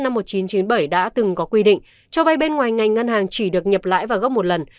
năm một nghìn chín trăm chín mươi bảy đã từng có quy định cho vay bên ngoài ngành ngân hàng chỉ được nhập lãi vào gốc một lần